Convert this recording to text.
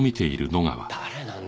誰なんだ？